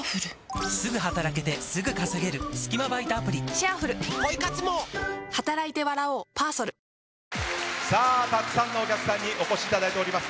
サントリーセサミンたくさんのお客さんにお越しいただいております。